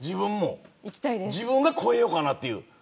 自分が超えようかなと。